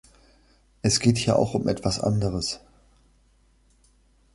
Es geht hier auch um etwas anderes.